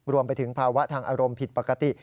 รวมไปถึงภาวะทางอารมณ์ผิดปกติ